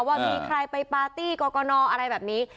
ว่ามีใครไปปาร์ตี้กรกนอะไรแบบนี้